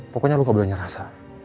pokoknya lo gak boleh nyerasa